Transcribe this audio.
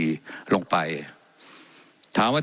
ว่าการกระทรวงบาทไทยนะครับ